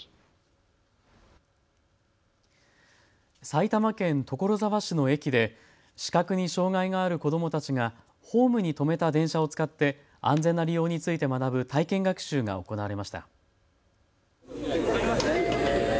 埼玉県所沢市の駅で視覚に障害がある子どもたちがホームに止めた電車を使って安全な利用について学ぶ体験学習が行われました。